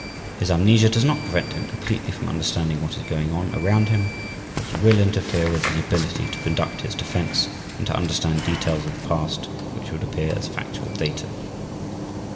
His amnesia does not prevent him completely from understanding what is going on around him but it will interfere with his ability to conduct his defense and to understand details of the past which would appear as factual data.